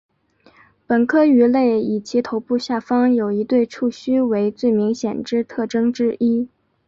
本科鱼类以其头部下方有一对触须为最明显之特征之一。